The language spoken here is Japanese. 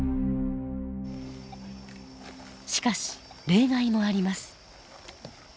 しかし例外もあります。